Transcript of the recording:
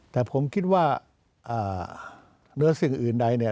แต่ผมคิดว่าเนื้อสิ่งอื่นใดเนี่ย